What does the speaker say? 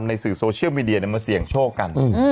สื่อโซเชียลมีเดียมาเสี่ยงโชคกัน